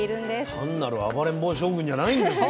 単なる暴れん坊将軍じゃないんですよ。